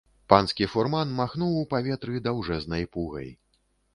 Панскі фурман махнуў у паветры даўжэзнай пугай.